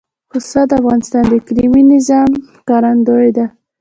پسه د افغانستان د اقلیمي نظام ښکارندوی ده.